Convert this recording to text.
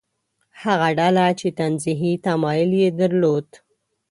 هغه ډله چې تنزیهي تمایل یې درلود.